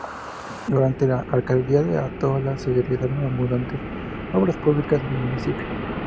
Durante la alcaldía de Otaola se realizaron abundantes obras públicas en el municipio.